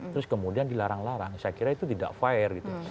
terus kemudian dilarang larang saya kira itu tidak fair gitu